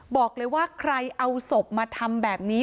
บอกเลยว่าใครเอาศพมาทำแบบนี้